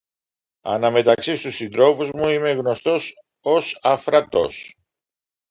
Αναμεταξύ στους συντρόφους μου, είμαι γνωστός ως Αφράτος.